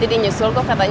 berangkat kerja tog